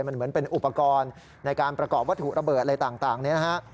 มันเหมือนเป็นอุปกรณ์ในการประกอบวัตถุระเบิดอะไรต่างนี้นะฮะ